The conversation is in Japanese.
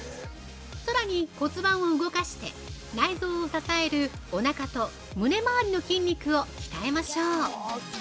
さらに骨盤を動かして内臓を支えるおなかと胸回り筋肉を鍛えましょう！